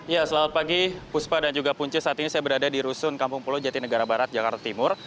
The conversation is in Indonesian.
ya selamat pagi puspa dan juga punca saat ini saya berada di rusun kampung pulau jatinegara barat jakarta timur